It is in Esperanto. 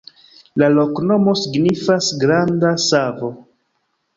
La loknomo signifas: granda savo.